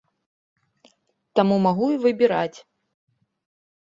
Таму магу і выбіраць.